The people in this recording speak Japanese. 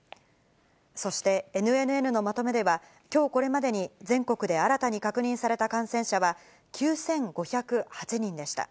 そしてＮＮＮのまとめでは、きょうこれまでに全国で新たに確認された感染者は、９５０８人でした。